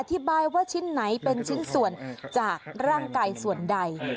อธิบายว่าชิ้นไหนเป็นชิ้นส่วนจากร่างกายส่วนใด